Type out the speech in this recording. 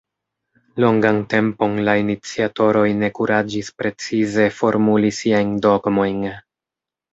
Longan tempon la iniciatoroj ne kuraĝis precize formuli siajn dogmojn.